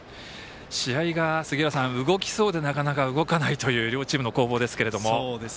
試合が杉浦さん、動きそうでなかなか、動かないという両チームの攻防ですけども。